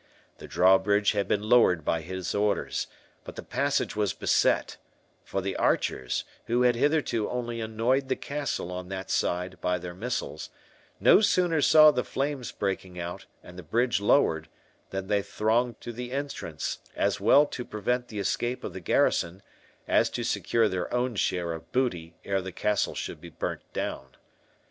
The drawbridge had been lowered by his orders, but the passage was beset; for the archers, who had hitherto only annoyed the castle on that side by their missiles, no sooner saw the flames breaking out, and the bridge lowered, than they thronged to the entrance, as well to prevent the escape of the garrison, as to secure their own share of booty ere the castle should be burnt down.